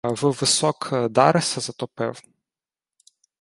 В висок Дареса затопив: